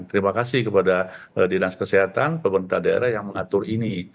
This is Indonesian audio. terima kasih kepada dinas kesehatan pemerintah daerah yang mengatur ini